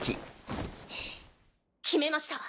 決めました！